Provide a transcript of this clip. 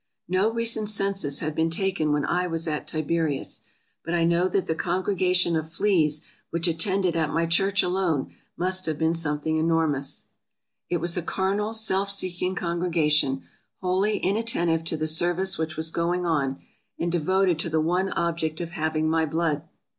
No recent census had been taken when I was at Tiberias ; but I know that the congregation of fleas which attended at my church alone must have been some vol. vi. — 22 324 TRAVELERS AND EXPLORERS thing enormous. It was a carnal, self seeking congrega tion, wholly inattentive to the service which was going on, and devoted to the one object of having my blood.